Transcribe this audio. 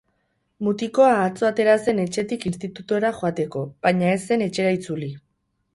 Mutikoa atzo atera zen etxetik institutura joateko, baina ez zen etxera itzuli.